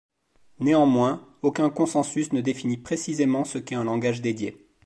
Néanmoins, aucun consensus ne définit précisément ce qu'est un langage dédié.